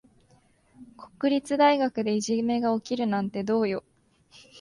国立大学でいじめが起きるなんてどうよ。